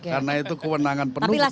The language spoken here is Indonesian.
karena itu kewenangan penuh ketua umum